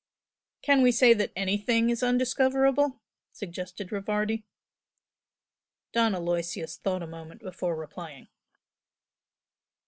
"Can we say that anything is undiscoverable?" suggested Rivardi. Don Aloysius thought a moment before replying.